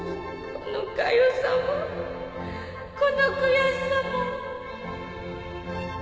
このかゆさもこの悔しさも！